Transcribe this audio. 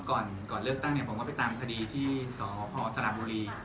ก็คือผมก่อนเลือกตั้งเนี่ยผมก็ไปตามคดีที่สศสนามบุรี